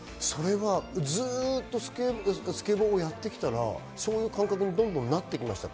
ずっとスケボーをやってきたら、そういう感覚にどんどんなっていきましたか？